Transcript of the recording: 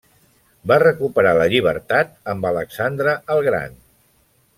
Va recuperar la llibertat amb Alexandre el Gran.